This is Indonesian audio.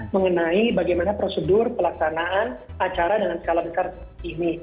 mengenai bagaimana prosedur pelaksanaan acara dengan skala besar seperti ini